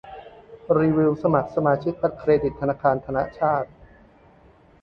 รีวิวสมัครบัตรเครดิตธนาคารธนชาต